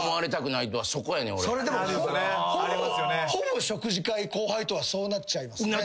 それでもほぼ食事会後輩とはそうなっちゃいますね。